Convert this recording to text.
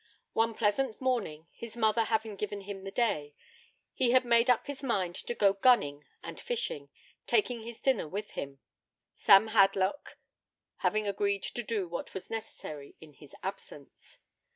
One pleasant morning, his mother having given him the day, he had made up his mind to go gunning and fishing, taking his dinner with him, Sam Hadlock having agreed to do what was necessary in his absence.